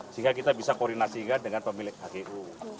sehingga kita bisa koordinasikan dengan pemilik hgu